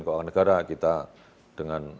keuangan negara kita dengan